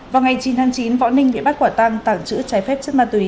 vào ngày chín tháng chín võ ninh bị bắt quả tăng tảng chữ trái phép chất ma túy